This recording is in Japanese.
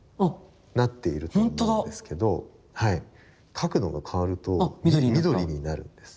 角度が変わると緑になるんです。